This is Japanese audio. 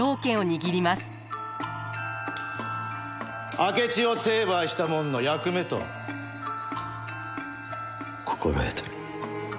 明智を成敗したもんの役目と心得とる。